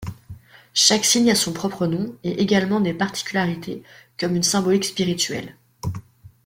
Chaque signe a son propre nom et également des particularités comme une symbolique spirituelle.